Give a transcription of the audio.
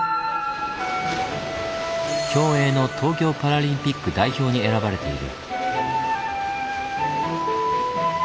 競泳の東京パラリンピック代表に選ばれている。